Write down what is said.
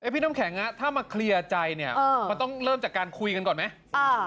พี่น้ำแข็งถ้ามาเคลียร์ใจเนี่ยมันต้องเริ่มจากการคุยกันก่อนไหม